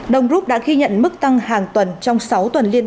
đồng rút đã ghi nhận mức tăng hàng tuần trong sáu tuần liên